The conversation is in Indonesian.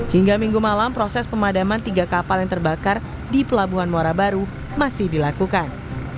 hingga minggu malam proses pemadaman tiga kapal yang terbakar di pelabuhan muara baru masih dilakukan